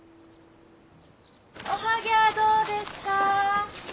おはぎゃあどうですか？